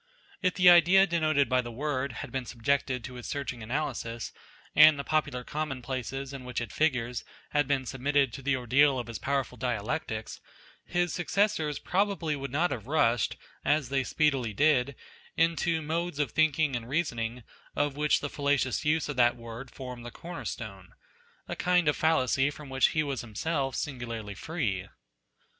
If the idea denoted by the word had been subjected to his searching analysis, and the popular common places in which it figures had been submitted to the ordeal of his powerful dialectics, his successors probably would not have rushed, as they speedily did, into modes of thinking and reasoning of which the falla cious use of that word formed the corner stone ; a kind of fallacy from which he was himself singularly free.